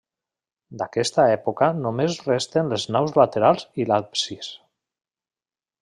D'aquesta època només resten les naus laterals i l'absis.